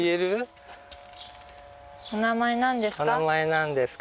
お名前なんですか？